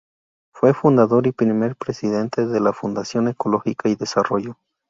Fue Fundador y primer Presidente de la Fundación Ecología y Desarrollo.